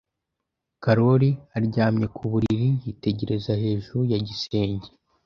Karoli aryamye ku buriri, yitegereza hejuru ya gisenge.